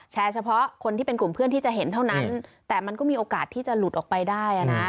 เฉพาะคนที่เป็นกลุ่มเพื่อนที่จะเห็นเท่านั้นแต่มันก็มีโอกาสที่จะหลุดออกไปได้อ่ะนะ